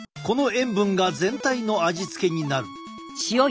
この塩分が全体の味付けになる。